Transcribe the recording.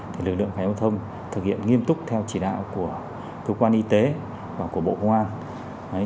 thì lực lượng cảnh giao thông thực hiện nghiêm túc theo chỉ đạo của cơ quan y tế và của bộ công an